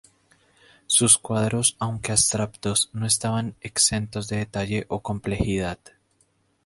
Sus cuadros aunque abstractos no estaban exentos de detalle o complejidad.